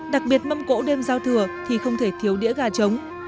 đặc biệt mâm cỗ đêm giao thừa thì không thể thiếu đĩa gà trống